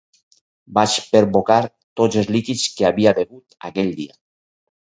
Vaig perbocar tots els líquids que havia begut aquell dia.